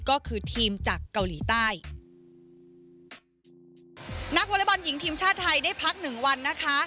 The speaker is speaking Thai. ก็คือทีมจากเกาหลีใต้นักวอเล็กบอลหญิงทีมชาติไทยได้พักหนึ่งวันนะคะ